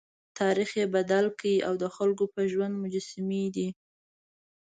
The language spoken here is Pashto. تاریخ یې بدل کړی او د خلکو په ژوند مجسمې دي.